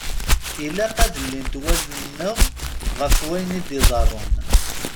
Ilaq ad llint wallen-nneɣ ɣef ayen i d-iḍeṛṛun.